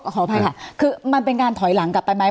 ขออภัยค่ะคือมันเป็นการถอยหลังกลับไปไหม